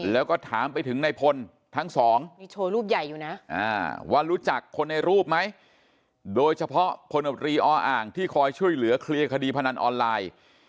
แล้วก็ถามไปถึงในพลทั้ง๒ว่ารู้จักคนในรูปไหมโดยเฉพาะคนอบรีอ้ออ่างที่คอยช่วยเหลือเคลียร์คดีพนันออนไลน์